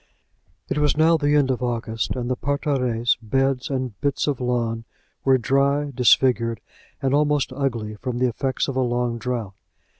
It was now the end of August, and the parterres, beds, and bits of lawn were dry, disfigured, and almost ugly, from the effects of a long drought.